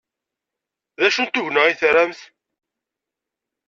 D acu n tenga ay tramt?